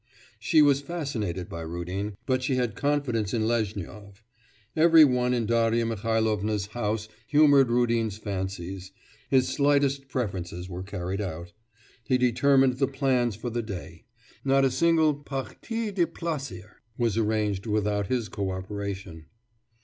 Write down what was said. She was fascinated by Rudin, but she had confidence in Lezhnyov. Every one in Darya Mihailovna's house humoured Rudin's fancies; his slightest preferences were carried out. He determined the plans for the day. Not a single partie de plaisir was arranged without his co operation.